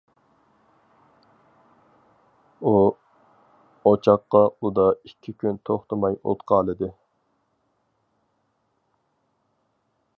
ئۇ ئوچاققا ئۇدا ئىككى كۈن توختىماي ئوت قالىدى.